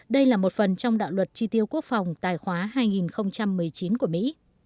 đây là một phần trong đạo luật tri tiêu quốc phòng tài khoá hai nghìn một mươi chín của mỹ